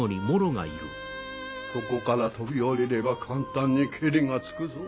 ・そこから飛び降りれば簡単にケリがつくぞ。